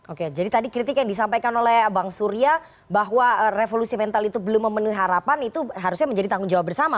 oke jadi tadi kritik yang disampaikan oleh bang surya bahwa revolusi mental itu belum memenuhi harapan itu harusnya menjadi tanggung jawab bersama